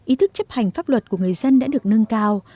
ý thức chấp hành pháp luật của người dân đã được nâng cao